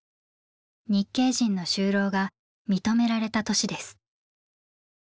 日系人の就労が認められた年です。